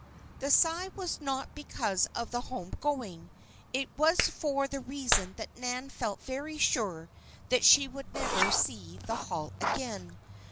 The sigh was not because of the home going. It was for the reason that Nan felt very sure that she would never see the Hall again.